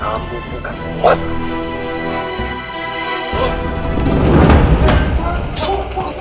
kamu bukan muasak